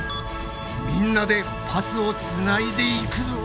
みんなでパスをつないでいくぞ。